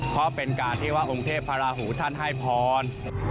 เพราะเป็นการที่ว่าองค์เทพพระราหูท่านให้พร